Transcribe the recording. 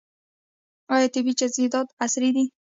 آیا طبي تجهیزات عصري دي؟